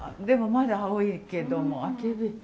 でもまだ青いけどもアケビ。